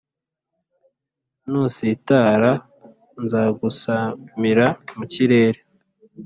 Nusitara nzagusamira mu kirere